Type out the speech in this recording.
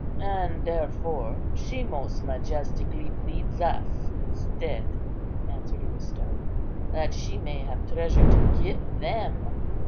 "And therefore she most majestically bleeds us instead," answered Aristo, "that she may have treasure to give them.